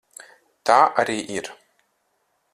Tā arī ir.